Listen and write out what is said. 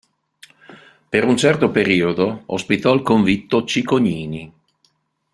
Per un certo periodo ospitò il convitto Cicognini.